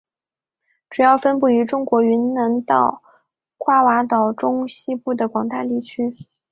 主要分布于中国云南到爪哇岛中西部的广大地区。